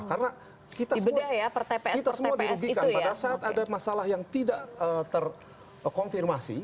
karena kita semua diberikan pada saat ada masalah yang tidak terkonfirmasi